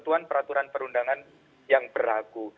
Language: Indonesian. peraturan peraturan perundangan yang beraku